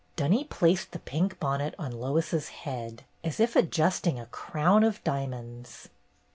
Dunny placed the pink bonnet on Lois's head as if adjusting a crown of diamonds.